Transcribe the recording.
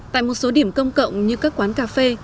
tại một số điểm công cộng như các quán cà phê